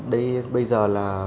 đây bây giờ là